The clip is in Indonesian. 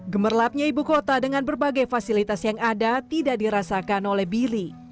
gemerlapnya ibu kota dengan berbagai fasilitas yang ada tidak dirasakan oleh billy